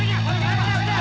di mana dia